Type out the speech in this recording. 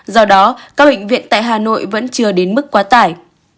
do đó các bệnh viện tại hà nội vẫn chưa đến mức quá tải